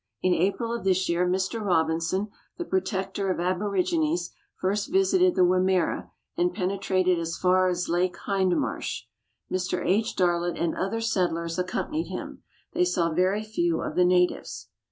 In April of this year Mr. Robinson, the Protector of Aborigines, first visited the Wimmera, and penetrated as far as Lake Hind marsh. Mr. H. Darlot and other settlers accompanied him ; they saw very few of the natives.